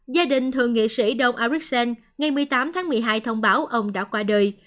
gia đình thượng nghị sĩ đông arixen ngày một mươi tám tháng một mươi hai thông báo ông đã qua đời